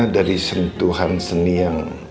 dari sentuhan seni yang